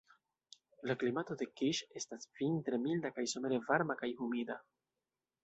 La klimato de Kiŝ estas vintre milda kaj somere varma kaj humida.